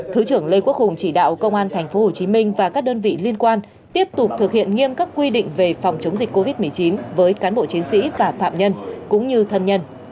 thứ trưởng lê quốc hùng chỉ đạo công an tp hcm và các đơn vị liên quan tiếp tục thực hiện nghiêm các quy định về phòng chống dịch covid một mươi chín với cán bộ chiến sĩ và phạm nhân cũng như thân nhân